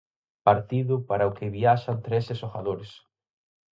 Partido para o que viaxan trece xogadores.